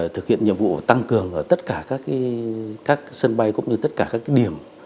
thực hiện nhiệm vụ tăng cường ở tất cả các sân bay cũng như tất cả các điểm